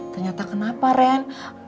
ternyata kenapa ren